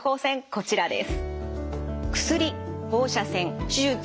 こちらです。